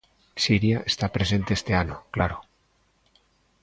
Siria está presente este ano, claro.